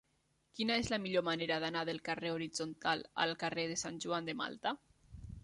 Quina és la millor manera d'anar del carrer Horitzontal al carrer de Sant Joan de Malta?